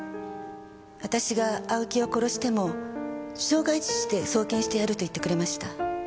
私が青木を殺しても傷害致死で送検してやると言ってくれました。